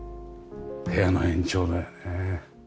部屋の延長だよね。